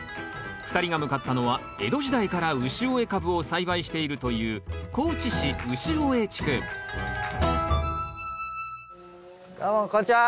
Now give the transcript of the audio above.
２人が向かったのは江戸時代からウシオエカブを栽培しているという高知市潮江地区どうもこんにちは。